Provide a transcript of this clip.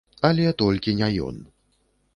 Але толькі не ён.